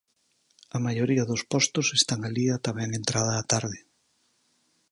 A maioría dos postos están alí ata ben entrada a tarde.